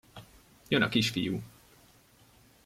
Jön a kisfiú!